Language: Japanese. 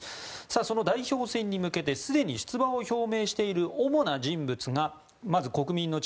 その代表選に向けて、すでに出馬を表明している主な人物がまず国民の力